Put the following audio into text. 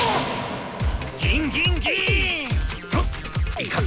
いかん。